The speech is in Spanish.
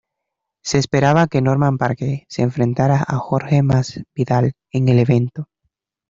Se esperaba que Norman Parke se enfrentara a Jorge Masvidal en el evento.